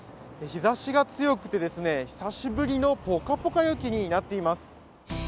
日差しが強くて、久しぶりのぽかぽか陽気になっています。